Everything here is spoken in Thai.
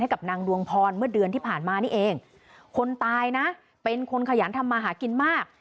กับนางดวงพรเมื่อเดือนที่ผ่านมานี่เองคนตายนะเป็นคนขยันทำมาหากินมาก